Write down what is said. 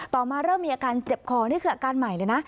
มาเริ่มมีอาการเจ็บคอนี่คืออาการใหม่เลยนะ